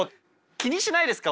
気にしないですか？